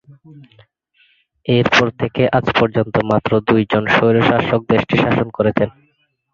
এরপর থেকে আজ পর্যন্ত মাত্র দুইজন স্বৈরশাসক দেশটি শাসন করেছেন।